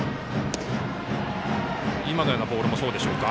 今のようなボールもそうでしょうか。